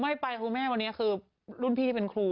ไม่ไปคุณแม่วันนี้คือรุ่นพี่ที่เป็นครู